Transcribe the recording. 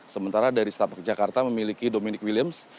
sementara dari setapak jakarta memiliki dominic williams